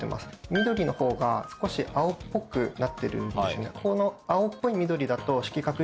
緑のほうが少し青っぽくなってるんですよね。